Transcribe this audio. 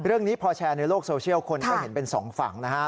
เรื่องนี้พอแชร์ในโลกโซเชียลคนก็เห็นเป็นสองฝั่งนะฮะ